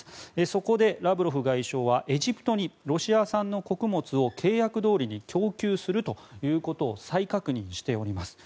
そこで、ラブロフ外相はエジプトにロシア産の穀物を契約どおりに供給するということを再確認しております。